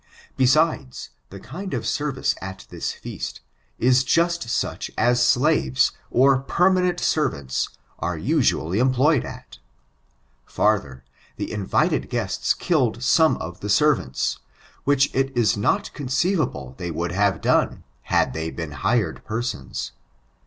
Besides, the kind of service at this feast, is just such as slaves, or permanent servants are usually employed at. Farther, the invited guests killed some o the servants, which it is not conceivable they would have done, had they been hired persons.